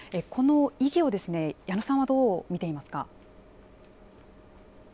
この意義を矢野さんはどう見ていますか。